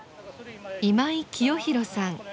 今井清博さん。